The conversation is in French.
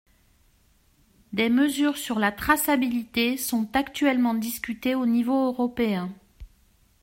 Des mesures sur la traçabilité sont actuellement discutées au niveau européen.